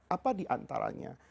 apa di antaranya